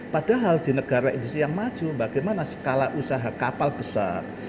padahal di negara industri yang maju bagaimana skala usaha kapal besar